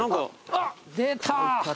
あっ出た。